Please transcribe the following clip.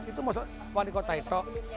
itu maksudnya wali kota itu